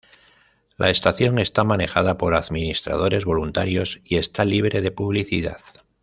La estación está manejada por administradores voluntarios y está libre de publicidad.